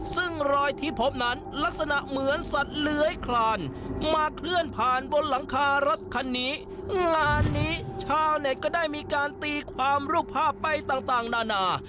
ซึ่งรอยที่พบนั้นลักษณะเหมือนสัตว์เลื้อยคลานมาเคลื่อนผ่านบนหลังคารถคันนี้งานนี้ชาวเน็ตก็ได้มีการตีความรูปภาพไปต่างนานา